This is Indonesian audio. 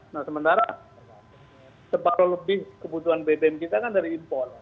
nah sementara separuh lebih kebutuhan bbm kita kan dari impor